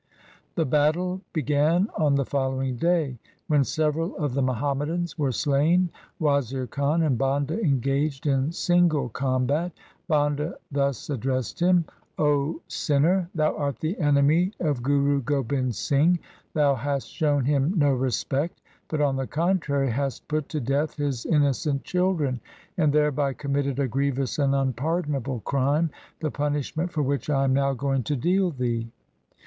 The battle began on the following day. When several of the Muhammadans were slain, Wazir Khan and Banda engaged in single combat. Banda thus addressed him, ' O sinner, thou art the enemy of Guru Gobind Singh. Thou hast shown him no respect, but on the contrary hast put to death his innocent children, and thereby committed a grievous and unpardonable crime, the punishment for which I am now going to deal thee.